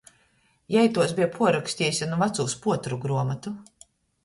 Jei tuos beja puorrakstejuse nu vacūs puotoru gruomotu.